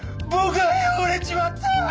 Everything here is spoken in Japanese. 僕は汚れちまった！